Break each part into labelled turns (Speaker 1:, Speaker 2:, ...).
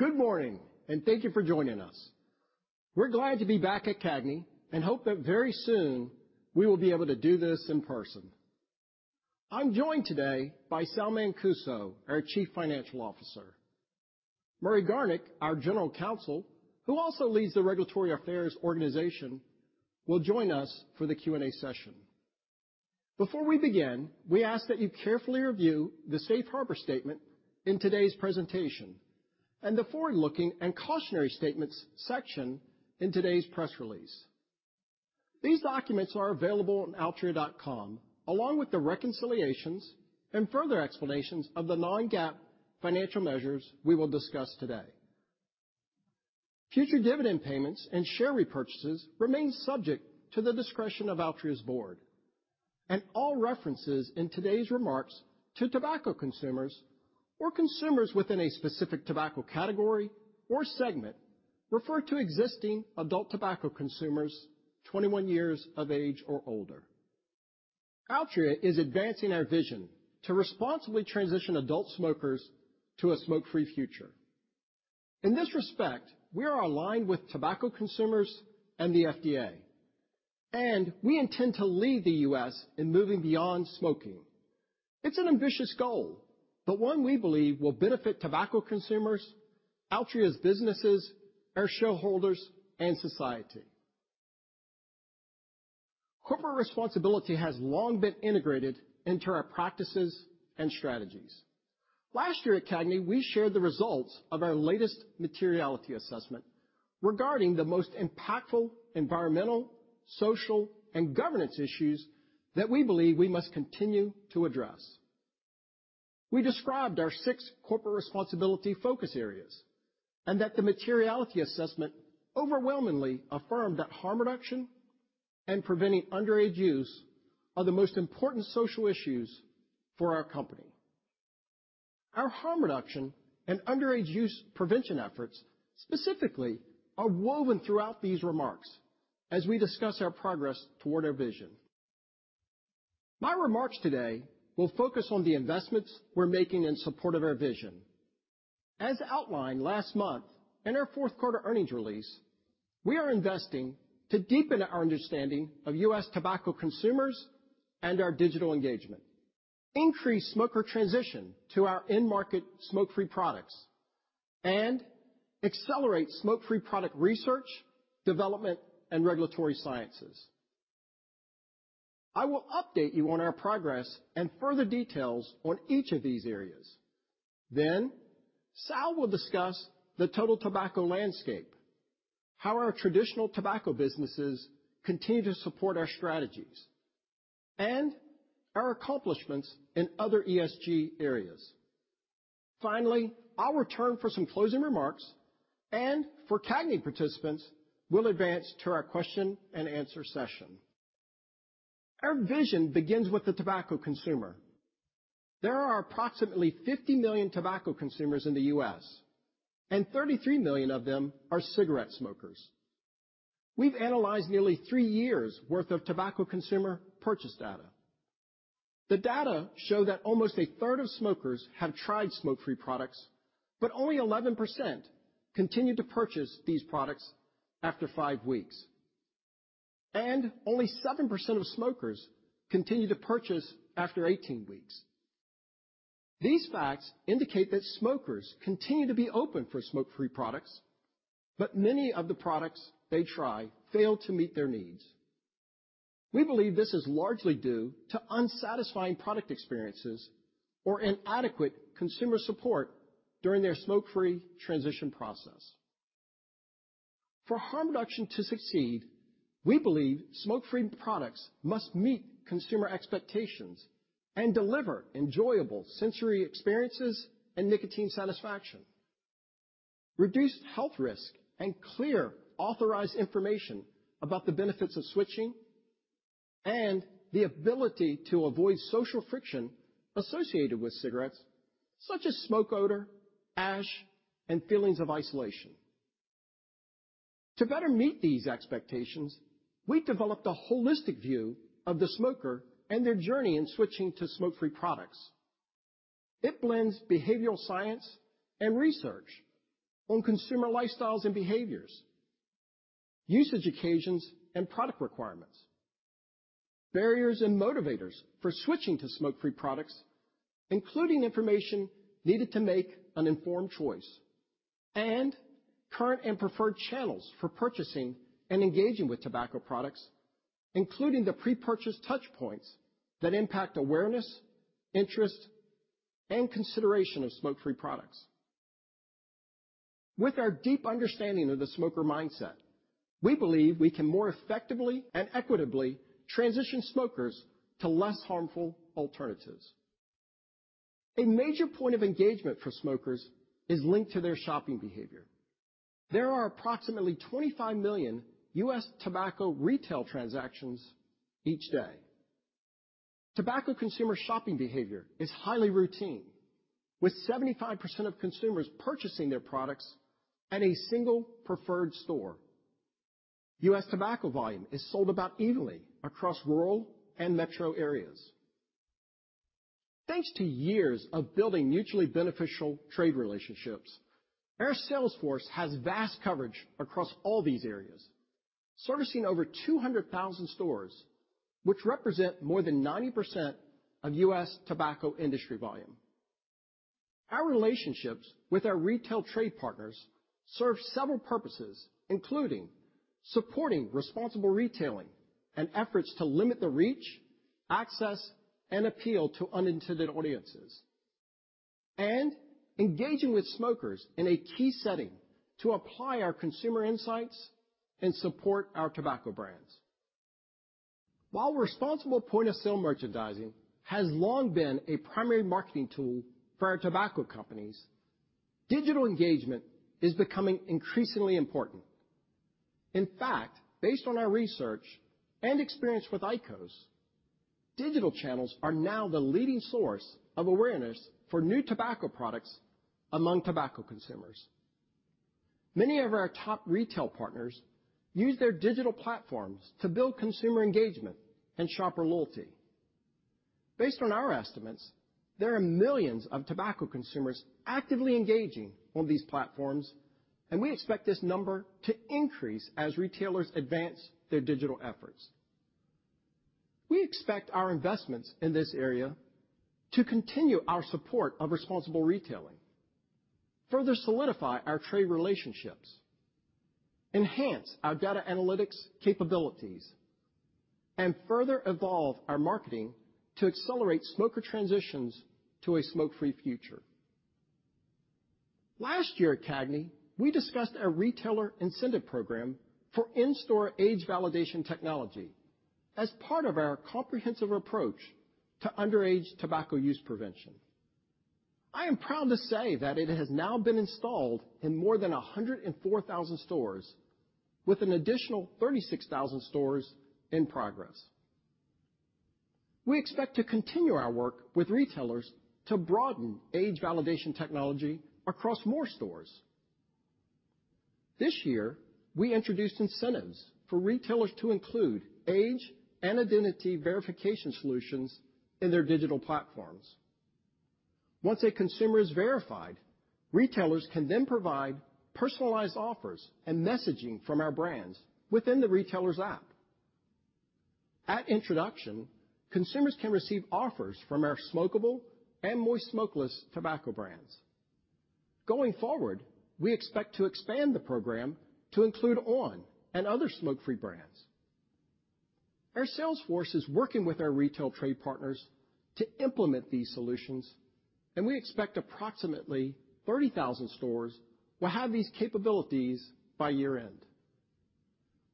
Speaker 1: Good morning, and thank you for joining us. We're glad to be back at CAGNY and hope that very soon we will be able to do this in person. I'm joined today by Sal Mancuso, our Chief Financial Officer. Murray Garnick, our General Counsel, who also leads the regulatory affairs organization, will join us for the Q&A session. Before we begin, we ask that you carefully review the safe harbor statement in today's presentation and the forward-looking and cautionary statements section in today's press release. These documents are available on altria.com, along with the reconciliations and further explanations of the non-GAAP financial measures we will discuss today. Future dividend payments and share repurchases remain subject to the discretion of Altria's board. All references in today's remarks to tobacco consumers or consumers within a specific tobacco category or segment refer to existing adult tobacco consumers 21 years of age or older. Altria is advancing our vision to responsibly transition adult smokers to a smoke-free future. In this respect, we are aligned with tobacco consumers and the FDA, and we intend to lead the U.S. in moving beyond smoking. It's an ambitious goal, but one we believe will benefit tobacco consumers, Altria's businesses, our shareholders, and society. Corporate responsibility has long been integrated into our practices and strategies. Last year at CAGNY, we shared the results of our latest materiality assessment regarding the most impactful environmental, social, and governance issues that we believe we must continue to address. We described our six corporate responsibility focus areas, and that the materiality assessment overwhelmingly affirmed that harm reduction and preventing underage use are the most important social issues for our company. Our harm reduction and underage use prevention efforts, specifically are woven throughout these remarks as we discuss our progress toward our vision. My remarks today will focus on the investments we're making in support of our vision. As outlined last month in our fourth quarter earnings release, we are investing to deepen our understanding of U.S. tobacco consumers and our digital engagement, increase smoker transition to our end market smoke-free products, and accelerate smoke-free product research, development, and regulatory sciences. I will update you on our progress and further details on each of these areas. Sal will discuss the total tobacco landscape, how our traditional tobacco businesses continue to support our strategies, and our accomplishments in other ESG areas. Finally, I'll return for some closing remarks and for CAGNY participants, we'll advance to our question and answer session. Our vision begins with the tobacco consumer. There are approximately 50 million tobacco consumers in the U.S., and 33 million of them are cigarette smokers. We've analyzed nearly 3 years worth of tobacco consumer purchase data. The data show that almost a third of smokers have tried smoke-free products, but only 11% continue to purchase these products after 5 weeks, and only 7% of smokers continue to purchase after 18 weeks. These facts indicate that smokers continue to be open for smoke-free products, but many of the products they try fail to meet their needs. We believe this is largely due to unsatisfying product experiences or inadequate consumer support during their smoke-free transition process. For harm reduction to succeed, we believe smoke-free products must meet consumer expectations and deliver enjoyable sensory experiences and nicotine satisfaction, reduce health risk, and clear authorized information about the benefits of switching, and the ability to avoid social friction associated with cigarettes, such as smoke odor, ash, and feelings of isolation. To better meet these expectations, we developed a holistic view of the smoker and their journey in switching to smoke-free products. It blends behavioral science and research on consumer lifestyles and behaviors, usage occasions, and product requirements, barriers and motivators for switching to smoke-free products, including information needed to make an informed choice, and current and preferred channels for purchasing and engaging with tobacco products, including the pre-purchase touch points that impact awareness, interest, and consideration of smoke-free products. With our deep understanding of the smoker mindset, we believe we can more effectively and equitably transition smokers to less harmful alternatives. A major point of engagement for smokers is linked to their shopping behavior. There are approximately 25 million U.S. tobacco retail transactions each day. Tobacco consumer shopping behavior is highly routine, with 75% of consumers purchasing their products at a single preferred store. U.S. tobacco volume is sold about evenly across rural and metro areas. Thanks to years of building mutually beneficial trade relationships, our sales force has vast coverage across all these areas, servicing over 200,000 stores, which represent more than 90% of U.S. tobacco industry volume. Our relationships with our retail trade partners serve several purposes, including supporting responsible retailing and efforts to limit the reach, access, and appeal to unintended audiences, and engaging with smokers in a key setting to apply our consumer insights and support our tobacco brands. While responsible point-of-sale merchandising has long been a primary marketing tool for our tobacco companies, digital engagement is becoming increasingly important. In fact, based on our research and experience with IQOS, digital channels are now the leading source of awareness for new tobacco products among tobacco consumers. Many of our top retail partners use their digital platforms to build consumer engagement and shopper loyalty. Based on our estimates, there are millions of tobacco consumers actively engaging on these platforms, and we expect this number to increase as retailers advance their digital efforts. We expect our investments in this area to continue our support of responsible retailing, further solidify our trade relationships, enhance our data analytics capabilities, and further evolve our marketing to accelerate smoker transitions to a smoke-free future. Last year at CAGNY, we discussed a retailer incentive program for in-store age validation technology as part of our comprehensive approach to underage tobacco use prevention. I am proud to say that it has now been installed in more than 104,000 stores with an additional 36,000 stores in progress. We expect to continue our work with retailers to broaden age validation technology across more stores. This year, we introduced incentives for retailers to include age and identity verification solutions in their digital platforms. Once a consumer is verified, retailers can then provide personalized offers and messaging from our brands within the retailer's app. At introduction, consumers can receive offers from our smokable and moist smokeless tobacco brands. Going forward, we expect to expand the program to include on! and other smoke-free brands. Our sales force is working with our retail trade partners to implement these solutions, and we expect approximately 30,000 stores will have these capabilities by year-end.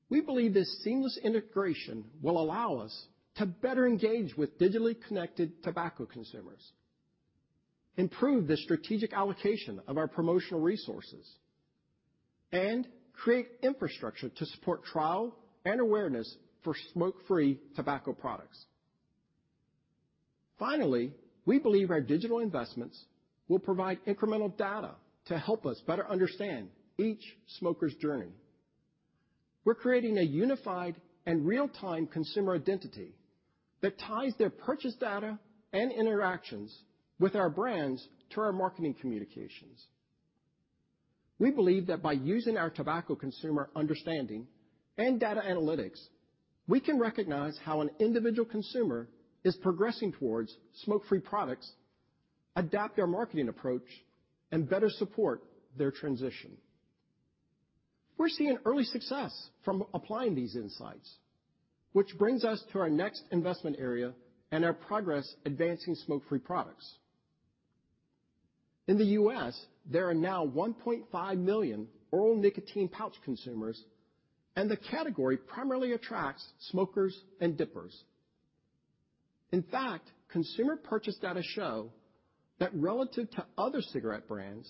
Speaker 1: We believe this seamless integration will allow us to better engage with digitally connected tobacco consumers, improve the strategic allocation of our promotional resources, and create infrastructure to support trial and awareness for smoke-free tobacco products. Finally, we believe our digital investments will provide incremental data to help us better understand each smoker's journey. We're creating a unified and real-time consumer identity that ties their purchase data and interactions with our brands to our marketing communications. We believe that by using our tobacco consumer understanding and data analytics, we can recognize how an individual consumer is progressing towards smoke-free products, adapt our marketing approach, and better support their transition. We're seeing early success from applying these insights, which brings us to our next investment area and our progress advancing smoke-free products. In the U.S., there are now 1.5 million oral nicotine pouch consumers, and the category primarily attracts smokers and dippers. In fact, consumer purchase data show that relative to other cigarette brands,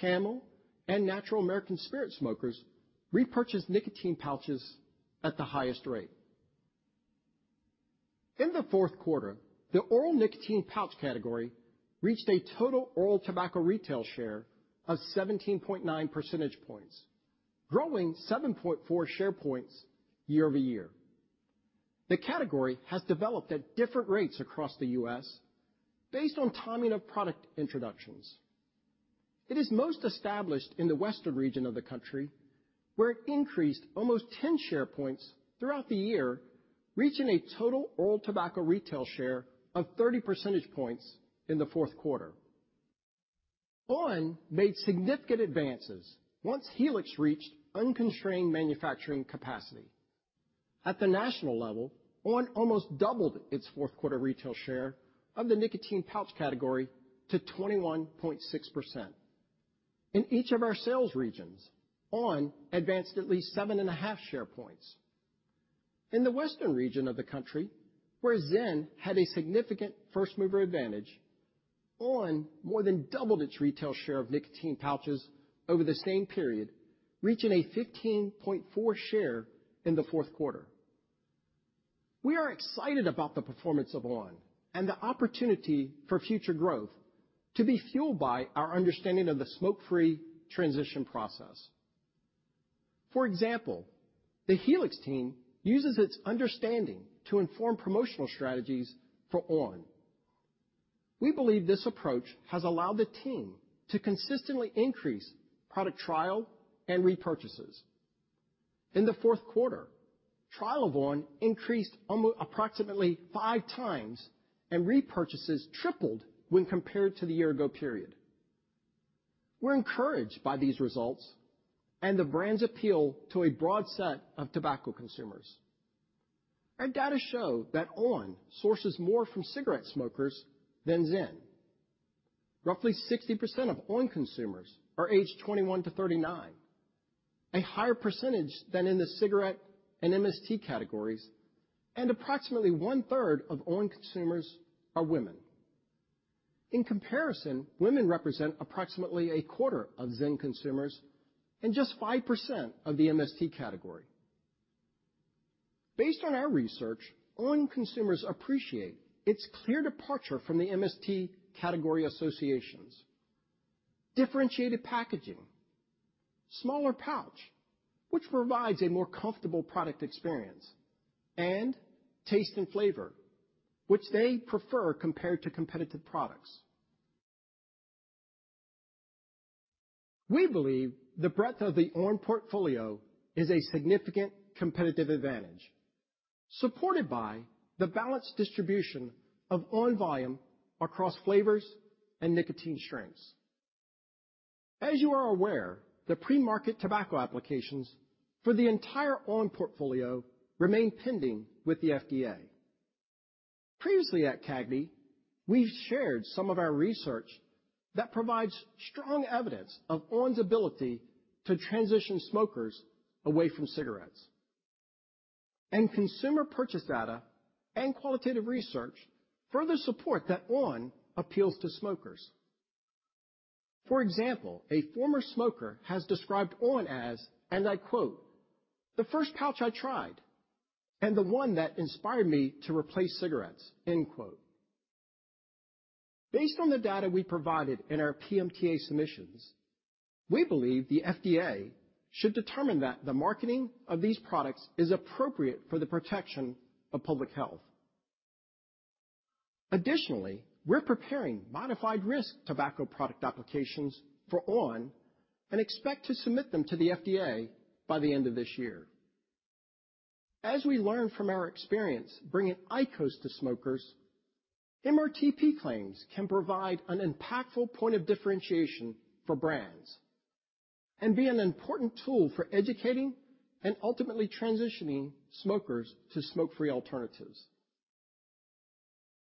Speaker 1: Camel and Natural American Spirit smokers repurchased nicotine pouches at the highest rate. In the fourth quarter, the oral nicotine pouch category reached a total oral tobacco retail share of 17.9 percentage points, growing 7.4 share points year-over-year. The category has developed at different rates across the U.S. based on timing of product introductions. It is most established in the Western region of the country, where it increased almost 10 share points throughout the year, reaching a total oral tobacco retail share of 30 percentage points in the fourth quarter. on! made significant advances once Helix reached unconstrained manufacturing capacity. At the national level, on! almost doubled its fourth quarter retail share of the nicotine pouch category to 21.6%. In each of our sales regions, on! advanced at least 7.5 share points. In the Western region of the country, where Zyn had a significant first-mover advantage, on! more than doubled its retail share of nicotine pouches over the same period, reaching a 15.4 share in the fourth quarter. We are excited about the performance of on! and the opportunity for future growth to be fueled by our understanding of the smoke-free transition process. For example, the Helix team uses its understanding to inform promotional strategies for on!. We believe this approach has allowed the team to consistently increase product trial and repurchases. In the fourth quarter, trial of on! increased approximately 5x, and repurchases tripled when compared to the year ago period. We're encouraged by these results and the brand's appeal to a broad set of tobacco consumers. Our data show that on! sources more from cigarette smokers than Zyn. Roughly 60% of on! consumers are aged 21-39, a higher percentage than in the cigarette and MST categories, and approximately one-third of on! consumers are women. In comparison, women represent approximately a quarter of Zyn consumers and just 5% of the MST category. Based on our research, on! Consumers appreciate its clear departure from the MST category associations, differentiated packaging, smaller pouch, which provides a more comfortable product experience, and taste and flavor, which they prefer compared to competitive products. We believe the breadth of the on! portfolio is a significant competitive advantage, supported by the balanced distribution of on! volume across flavors and nicotine strengths. As you are aware, the pre-market tobacco applications for the entire on! portfolio remain pending with the FDA. Previously at CAGNY, we've shared some of our research that provides strong evidence of on!'s ability to transition smokers away from cigarettes. Consumer purchase data and qualitative research further support that on! appeals to smokers. For example, a former smoker has described on! as, and I quote, "The first pouch I tried, and the one that inspired me to replace cigarettes," end quote. Based on the data we provided in our PMTA submissions, we believe the FDA should determine that the marketing of these products is appropriate for the protection of public health. Additionally, we're preparing modified risk tobacco product applications for on! and expect to submit them to the FDA by the end of this year. As we learn from our experience bringing IQOS to smokers, MRTP claims can provide an impactful point of differentiation for brands and be an important tool for educating and ultimately transitioning smokers to smoke-free alternatives.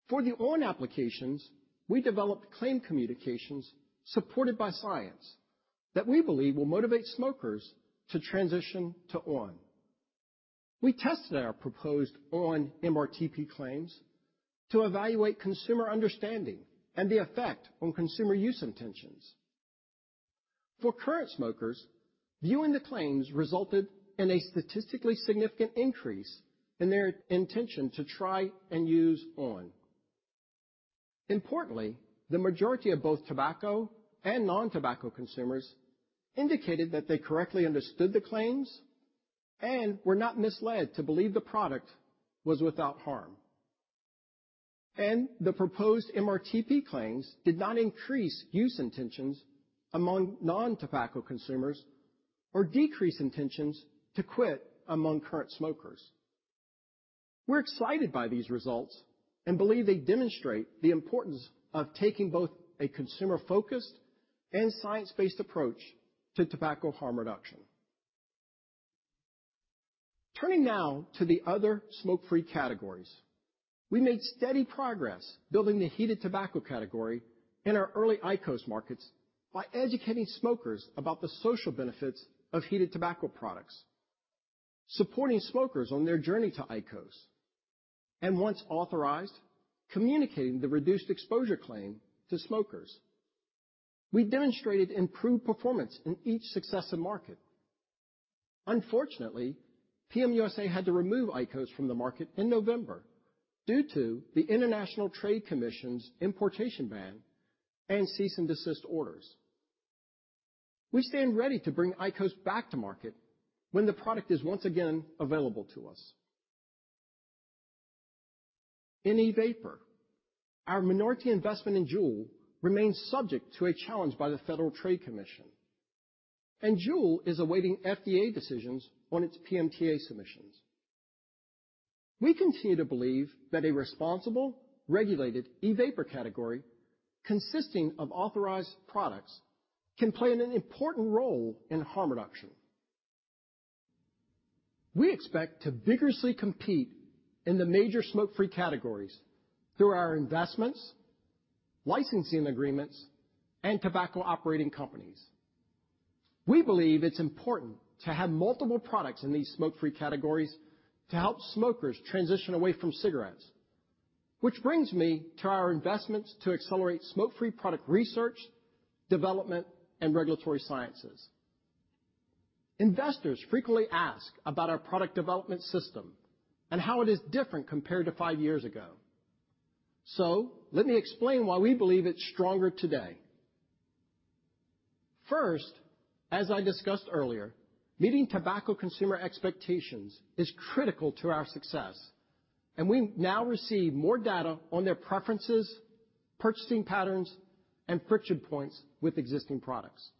Speaker 1: For the on! applications, we developed claim communications supported by science that we believe will motivate smokers to transition to on!. We tested our proposed on! MRTP claims to evaluate consumer understanding and the effect on consumer use intentions. For current smokers, viewing the claims resulted in a statistically significant increase in their intention to try and use on!. Importantly, the majority of both tobacco and non-tobacco consumers indicated that they correctly understood the claims and were not misled to believe the product was without harm. The proposed MRTP claims did not increase use intentions among non-tobacco consumers or decrease intentions to quit among current smokers. We're excited by these results and believe they demonstrate the importance of taking both a consumer-focused and science-based approach to tobacco harm reduction. Turning now to the other smoke-free categories. We made steady progress building the heated tobacco category in our early IQOS markets by educating smokers about the social benefits of heated tobacco products, supporting smokers on their journey to IQOS, and once authorized, communicating the reduced exposure claim to smokers. We demonstrated improved performance in each successive market. Unfortunately, PM USA had to remove IQOS from the market in November due to the International Trade Commission's importation ban and cease and desist orders. We stand ready to bring IQOS back to market when the product is once again available to us. In e-vapor, our minority investment in JUUL remains subject to a challenge by the Federal Trade Commission, and JUUL is awaiting FDA decisions on its PMTA submissions. We continue to believe that a responsible, regulated e-vapor category consisting of authorized products can play an important role in harm reduction. We expect to vigorously compete in the major smoke-free categories through our investments, licensing agreements, and tobacco operating companies. We believe it's important to have multiple products in these smoke-free categories to help smokers transition away from cigarettes, which brings me to our investments to accelerate smoke-free product research, development, and regulatory sciences. Investors frequently ask about our product development system and how it is different compared to 5 years ago. Let me explain why we believe it's stronger today. First, as I discussed earlier, meeting tobacco consumer expectations is critical to our success, and we now receive more data on their preferences, purchasing patterns, and friction points with existing products.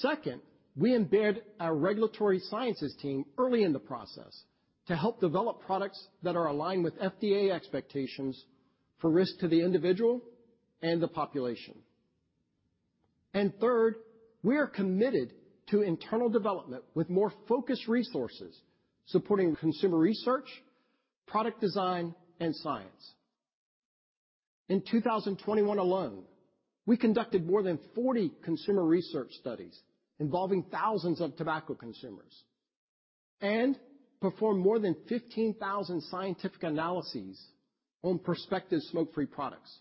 Speaker 1: Second, we embed our regulatory sciences team early in the process to help develop products that are aligned with FDA expectations for risk to the individual and the population. Third, we are committed to internal development with more focused resources, supporting consumer research, product design, and science. In 2021 alone, we conducted more than 40 consumer research studies involving thousands of tobacco consumers and performed more than 15,000 scientific analyses on prospective smoke-free products.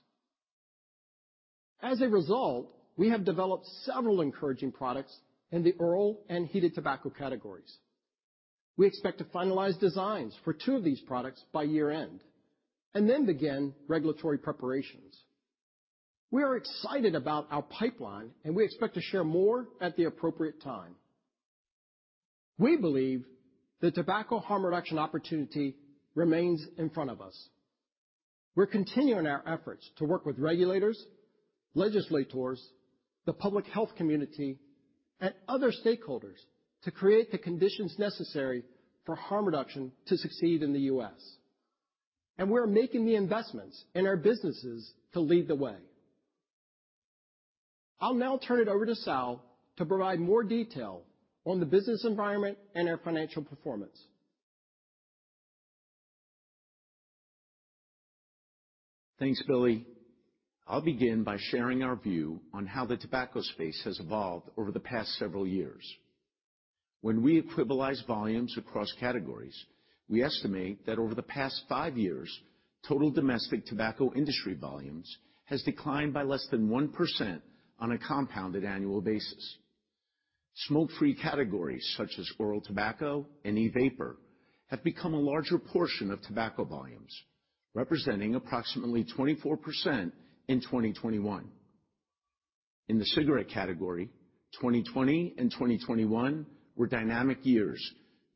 Speaker 1: As a result, we have developed several encouraging products in the oral and heated tobacco categories. We expect to finalize designs for 2 of these products by year-end, and then begin regulatory preparations. We are excited about our pipeline, and we expect to share more at the appropriate time. We believe the tobacco harm reduction opportunity remains in front of us. We're continuing our efforts to work with regulators, legislators, the public health community, and other stakeholders to create the conditions necessary for harm reduction to succeed in the U.S., and we're making the investments in our businesses to lead the way. I'll now turn it over to Sal to provide more detail on the business environment and our financial performance.
Speaker 2: Thanks, Billy. I'll begin by sharing our view on how the tobacco space has evolved over the past several years. When we equivalize volumes across categories, we estimate that over the past 5 years, total domestic tobacco industry volumes has declined by less than 1% on a compounded annual basis. Smoke-free categories, such as oral tobacco and e-vapor, have become a larger portion of tobacco volumes, representing approximately 24% in 2021. In the cigarette category, 2020 and 2021 were dynamic years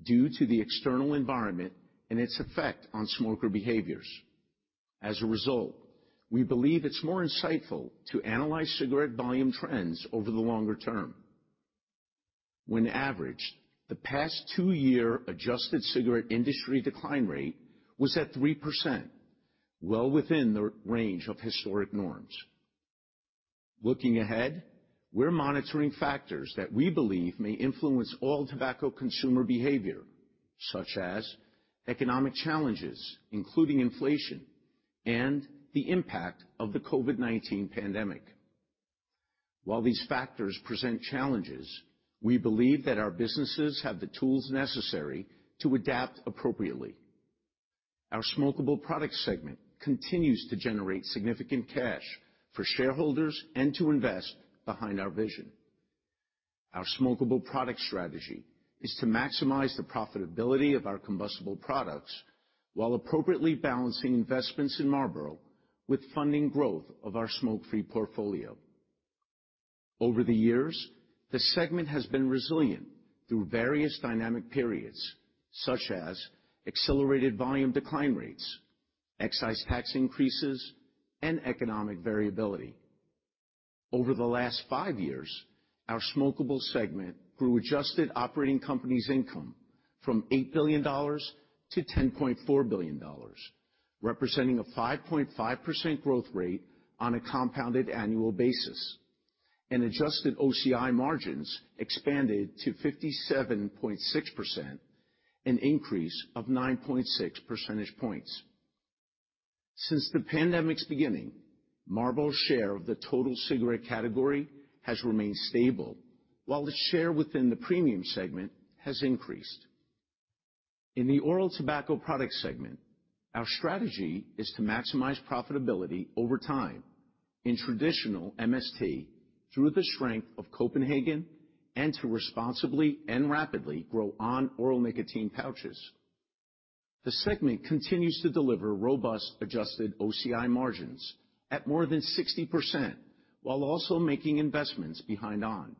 Speaker 2: due to the external environment and its effect on smoker behaviors. As a result, we believe it's more insightful to analyze cigarette volume trends over the longer term. When averaged, the past 2-year adjusted cigarette industry decline rate was at 3%, well within the range of historic norms. Looking ahead, we're monitoring factors that we believe may influence all tobacco consumer behavior, such as economic challenges, including inflation and the impact of the COVID-19 pandemic. While these factors present challenges, we believe that our businesses have the tools necessary to adapt appropriately. Our smokable product segment continues to generate significant cash for shareholders and to invest behind our vision. Our smokable product strategy is to maximize the profitability of our combustible products while appropriately balancing investments in Marlboro with funding growth of our smoke-free portfolio. Over the years, this segment has been resilient through various dynamic periods, such as accelerated volume decline rates, excise tax increases, and economic variability. Over the last 5 years, our smokable segment grew adjusted operating companies income from $8 billion to $10.4 billion, representing a 5.5% growth rate on a compounded annual basis, and adjusted OCI margins expanded to 57.6%, an increase of 9.6 percentage points. Since the pandemic's beginning, Marlboro's share of the total cigarette category has remained stable while the share within the premium segment has increased. In the oral tobacco product segment, our strategy is to maximize profitability over time in traditional MST through the strength of Copenhagen and to responsibly and rapidly grow on! oral nicotine pouches. The segment continues to deliver robust adjusted OCI margins at more than 60%, while also making investments behind on!.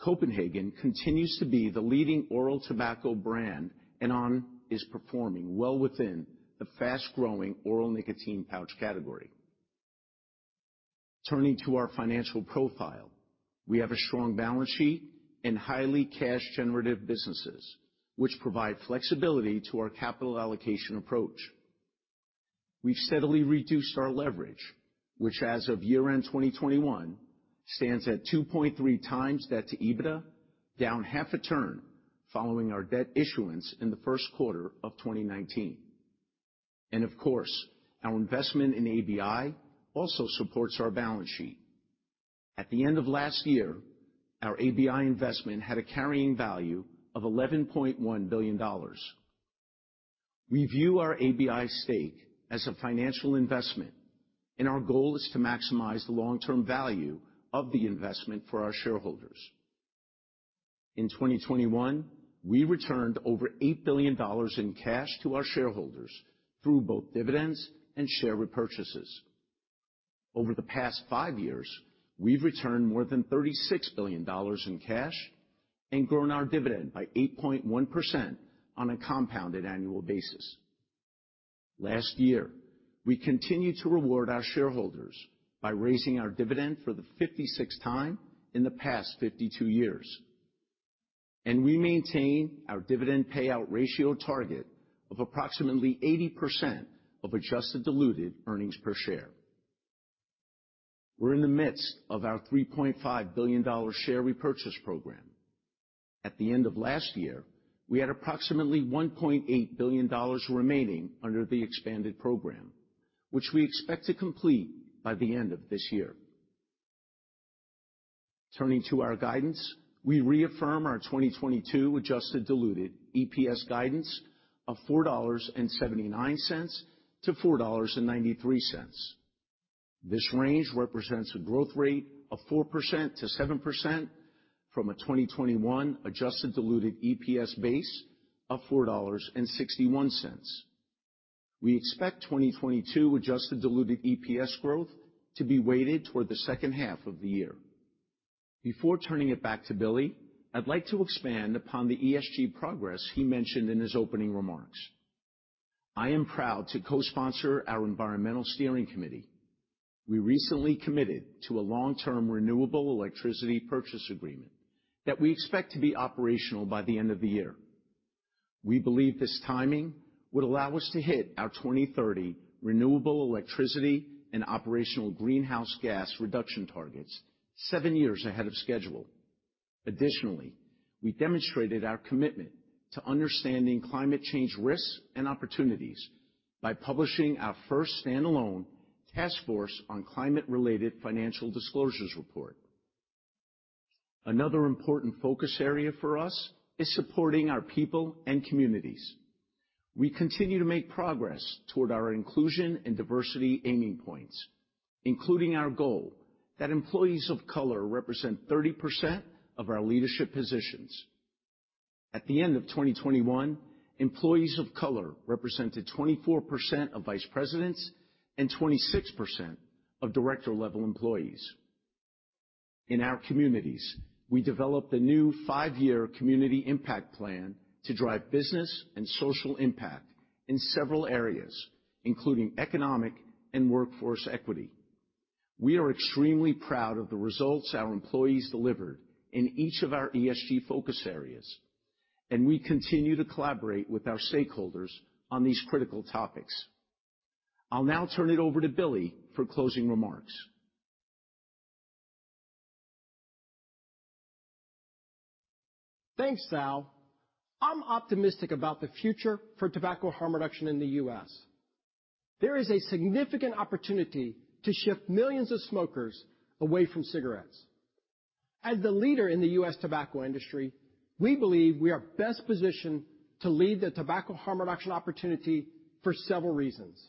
Speaker 2: Copenhagen continues to be the leading oral tobacco brand, and on! is performing well within the fast-growing oral nicotine pouch category. Turning to our financial profile, we have a strong balance sheet and highly cash-generative businesses, which provide flexibility to our capital allocation approach. We've steadily reduced our leverage, which as of year-end 2021, stands at 2.3x debt to EBITDA, down half a turn following our debt issuance in the first quarter of 2019. Of course, our investment in ABI also supports our balance sheet. At the end of last year, our ABI investment had a carrying value of $11.1 billion. We view our ABI stake as a financial investment, and our goal is to maximize the long-term value of the investment for our shareholders. In 2021, we returned over $8 billion in cash to our shareholders through both dividends and share repurchases. Over the past 5 years, we've returned more than $36 billion in cash and grown our dividend by 8.1% on a compounded annual basis. Last year, we continued to reward our shareholders by raising our dividend for the 56th time in the past 52 years. We maintain our dividend payout ratio target of approximately 80% of adjusted diluted earnings per share. We're in the midst of our $3.5 billion share repurchase program. At the end of last year, we had approximately $1.8 billion remaining under the expanded program, which we expect to complete by the end of this year. Turning to our guidance, we reaffirm our 2022 adjusted diluted EPS guidance of $4.79-$4.93. This range represents a growth rate of 4%-7% from a 2021 adjusted diluted EPS base of $4.61. We expect 2022 adjusted diluted EPS growth to be weighted toward the second half of the year. Before turning it back to Billy, I'd like to expand upon the ESG progress he mentioned in his opening remarks. I am proud to cosponsor our environmental steering committee. We recently committed to a long-term, renewable electricity purchase agreement that we expect to be operational by the end of the year. We believe this timing would allow us to hit our 2030 renewable electricity and operational greenhouse gas reduction targets 7 years ahead of schedule. Additionally, we demonstrated our commitment to understanding climate change risks and opportunities by publishing our first standalone Task Force on Climate-related Financial Disclosures report. Another important focus area for us is supporting our people and communities. We continue to make progress toward our inclusion and diversity aiming points, including our goal that employees of color represent 30% of our leadership positions. At the end of 2021, employees of color represented 24% of vice presidents and 26% of director-level employees. In our communities, we developed a new 5-year community impact plan to drive business and social impact in several areas, including economic and workforce equity. We are extremely proud of the results our employees delivered in each of our ESG focus areas, and we continue to collaborate with our stakeholders on these critical topics. I'll now turn it over to Billy for closing remarks.
Speaker 1: Thanks, Sal. I'm optimistic about the future for tobacco harm reduction in the U.S. There is a significant opportunity to shift millions of smokers away from cigarettes. As the leader in the U.S. tobacco industry, we believe we are best positioned to lead the tobacco harm reduction opportunity for several reasons.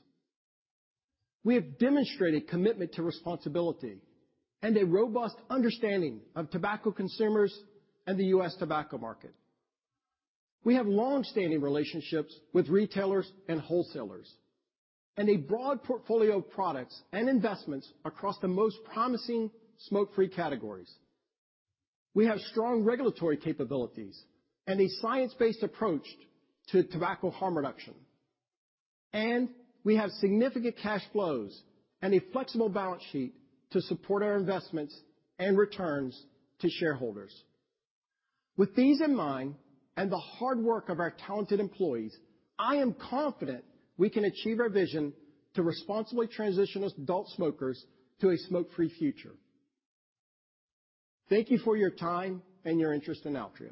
Speaker 1: We have demonstrated commitment to responsibility and a robust understanding of tobacco consumers and the U.S. tobacco market. We have long-standing relationships with retailers and wholesalers, and a broad portfolio of products and investments across the most promising smoke-free categories. We have strong regulatory capabilities and a science-based approach to tobacco harm reduction. We have significant cash flows and a flexible balance sheet to support our investments and returns to shareholders. With these in mind, and the hard work of our talented employees, I am confident we can achieve our vision to responsibly transition U.S. adult smokers to a smoke-free future. Thank you for your time and your interest in Altria.